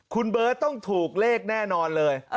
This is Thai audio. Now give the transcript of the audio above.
คุณเบิร์ตต้องถูกเลขแน่นอนเลย